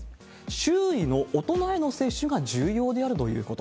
周囲の大人への接種が重要であるということ。